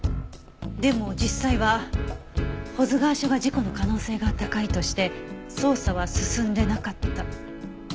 でも実際は保津川署が事故の可能性が高いとして捜査は進んでなかった。